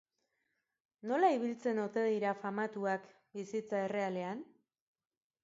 Nola ibiltzen ote dira famatuak bizitza errealean?